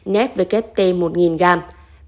nét với kép t một nghìn gram